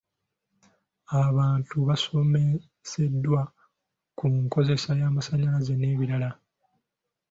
Abantu basomeseddwa ku nkozesa y'amasannyalaze n'ebirala.